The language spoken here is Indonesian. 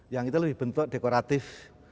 yang itu lebih bentuk dekoratif